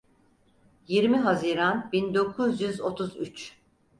Yirmi Haziran bin dokuz yüz otuz üç.